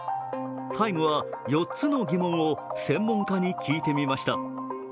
「ＴＩＭＥ，」は４つの疑問を専門家に聞いてみました。